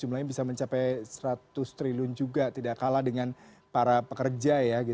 jumlahnya bisa mencapai seratus triliun juga tidak kalah dengan para pekerja ya